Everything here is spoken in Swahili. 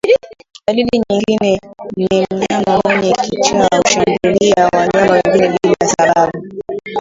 Dalili nyingine ni mnyama mwenye kichaa hushambulia wanyama wengine bila sababu